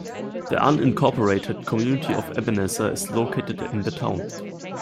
The unincorporated community of Ebenezer is located in the town.